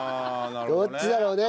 どっちだろうね。